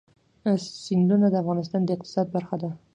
سیندونه د افغانستان د اقتصاد برخه ده.